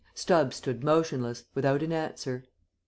Stubbs stood motionless, without an answer.